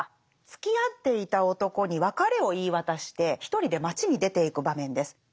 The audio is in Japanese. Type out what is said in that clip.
つきあっていた男に別れを言い渡して一人で街に出ていく場面です。